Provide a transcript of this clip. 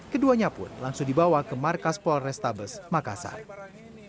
keduanya pun langsung dibawa ke markas polrestabes makassar